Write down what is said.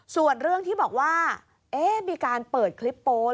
ส่วนเรื่องที่บอกว่ามีการเปิดคลิปโป๊